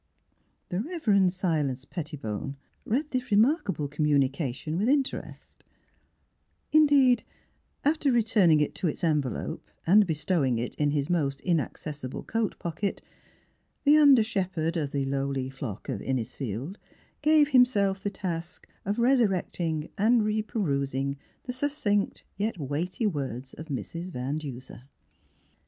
The Rev. Silas Pettibone read this remarkable commu nication with interest; indeed, after returning it to its en velope and bestowing it in his most inaccessible coat pocket, the under shepherd of the lowly flock of Innisfield gave himself the task of resurrect ing and reperusing the succinct yet weighty words of Mrs. Van Denser.